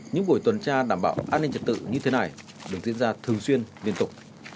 những buổi tuần tra đảm bảo an ninh trật tự như thế này được diễn ra thường xuyên liên tục